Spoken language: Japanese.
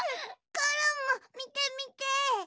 コロンもみてみて！